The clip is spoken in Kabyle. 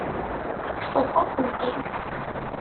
Tekkseḍ-asen-t-id.